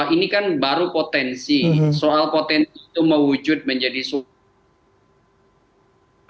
ini kan baru potensi soal potensi itu mewujud menjadi soal